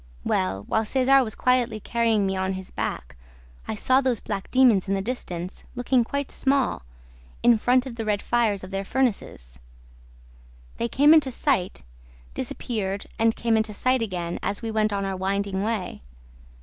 Well, while Cesar was quietly carrying me on his back, I saw those black demons in the distance, looking quite small, in front of the red fires of their furnaces: they came into sight, disappeared and came into sight again, as we went on our winding way.